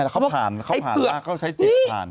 เขาผ่านล่ะเขาใช้จิตผ่าน